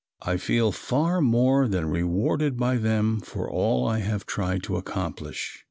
I feel far more than rewarded by them for all I have tried to accomplish.